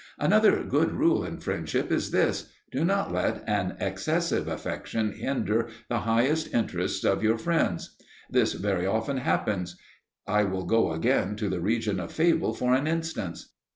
Another good rule in friendship is this: do not let an excessive affection hinder the highest interests of your friends. This very often happens. I will go again to the region of fable for an instance.